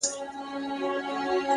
گلي نن بيا راته راياده سولې _